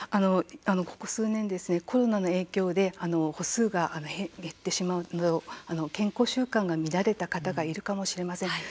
ここ数年、コロナの影響で歩数が減ってしまうなど健康習慣が乱れてしまうかもしれません。